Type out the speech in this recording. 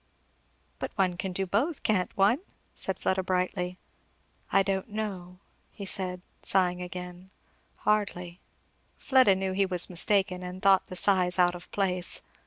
"But one can do both, can't one?" said Fleda brightly. "I don't know," said he sighing again. "Hardly." Fleda knew he was mistaken and thought the sighs out of place.